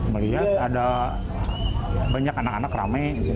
melihat ada banyak anak anak rame